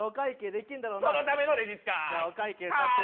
そのためのレジ使い。